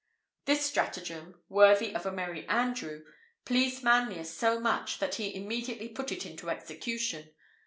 This stratagem, worthy of a Merry Andrew, pleased Manlius so much, that he immediately put it into execution.